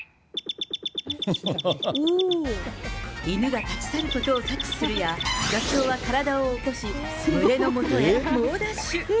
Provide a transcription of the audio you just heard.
イヌが立ち去ることを察知するや、ガチョウは体を起こし、群れのもとへ猛ダッシュ。